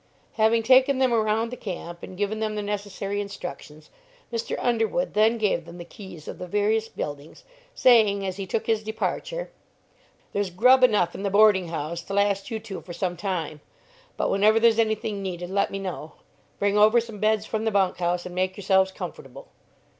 Having taken them around the camp and given them the necessary instructions, Mr. Underwood then gave them the keys of the various buildings, saying, as he took his departure, "There's grub enough in the boarding house to last you two for some time, but whenever there's anything needed, let me know. Bring over some beds from the bunk house and make yourselves comfortable."